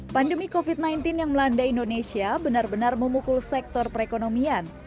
pandemi covid sembilan belas yang melanda indonesia benar benar memukul sektor perekonomian